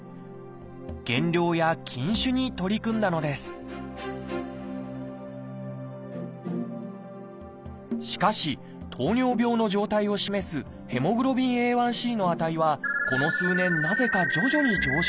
減量や禁酒に取り組んだのですしかし糖尿病の状態を示すＨｂＡ１ｃの値はこの数年なぜか徐々に上昇。